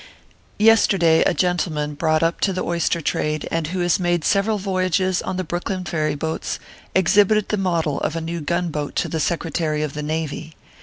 Yesterday, a gentleman, brought up to the oyster trade, and who has made several voyages on the Brooklyn ferry boats, exhibited the model of a new gun boat to the Secretary of the Navy.